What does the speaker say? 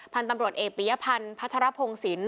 พันธุ์ตำรวจเอกปียพันธ์พัทรพงศิลป